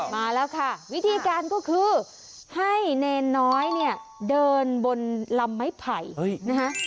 มาแล้วค่ะวิธีการก็คือให้เนรน้อยเนี่ยเดินบนลำไม้ไผ่นะคะ